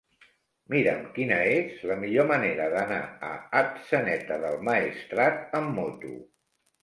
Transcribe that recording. Mira'm quina és la millor manera d'anar a Atzeneta del Maestrat amb moto.